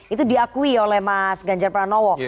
itu diakui oleh mas ganjar pranowo